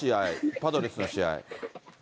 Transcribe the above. パドレスの試合。